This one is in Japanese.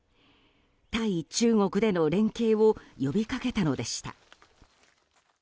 対中国での連携を呼びかけたのでした。